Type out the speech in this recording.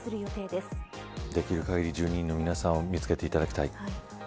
できる限り１２人の皆さんを見つけていただきたいです。